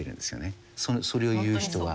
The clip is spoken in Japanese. それを言う人は。